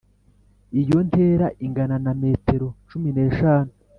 Iyo ntera ingana na metero cumi n'eshanu